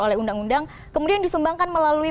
oleh undang undang kemudian disumbangkan melalui